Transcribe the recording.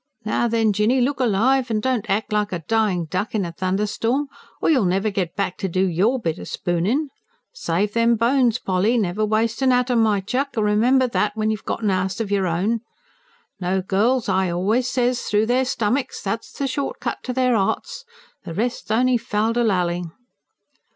"Now then, Jinny, look alive, an' don't ack like a dyin' duck in a thunderstorm, or you'll never get back to do YOUR bit o' spoonin'! Save them bones, Polly. Never waste an atom, my chuck remember that, when you've got an 'ouse of your own! No, girls, I always says, through their stomachs, that's the shortcut to their 'earts. The rest's on'y fal de lal ing."